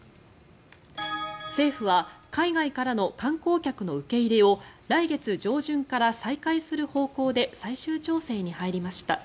政府は海外からの観光客の受け入れを来月上旬から再開する方向で最終調整に入りました。